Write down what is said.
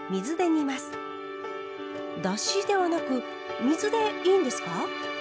だしではなく水でいいんですか？